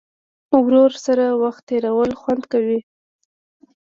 ورور سره وخت تېرول خوند کوي.